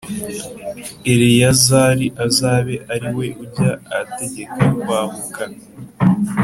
Eleyazari azabe ari we ujya ategeka kwahuka